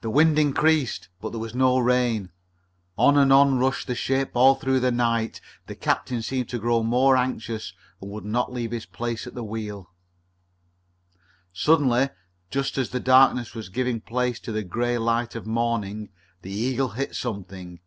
The wind increased, but there was no rain. On and on rushed the ship, all through the night. The captain seemed to grow more anxious and would not leave his place at the wheel. Suddenly, just as the darkness was giving place to the gray light of morning, the Eagle hit something.